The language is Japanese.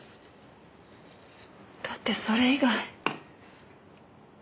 だってそれ以外。